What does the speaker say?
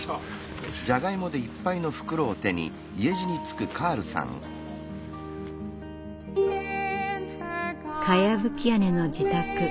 かやぶき屋根の自宅双鶴庵。